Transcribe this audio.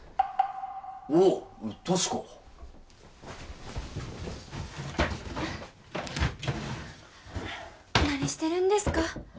おお俊子何してるんですか？